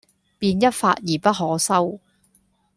便一發而不可收，